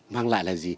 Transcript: mang lại là gì